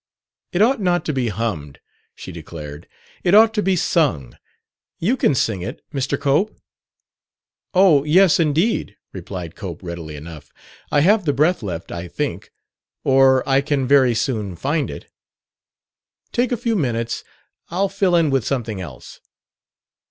"It ought not to be hummed," she declared; "it ought to be sung. You can sing it, Mr. Cope?" "Oh yes, indeed," replied Cope, readily enough. "I have the breath left, I think, or I can very soon find it." "Take a few minutes. I'll fill in with something else."